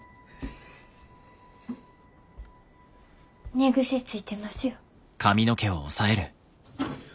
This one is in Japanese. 寝癖ついてますよ。